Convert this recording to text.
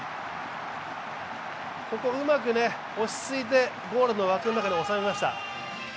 ここうまく落ち着いてゴールの枠の中におさめました。